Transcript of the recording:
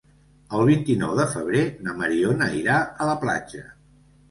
El vint-i-nou de febrer na Mariona irà a la platja.